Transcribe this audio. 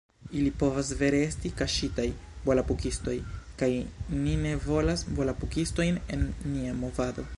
Ili povas vere esti kaŝitaj volapukistoj kaj ni ne volas volapukistojn en nia movado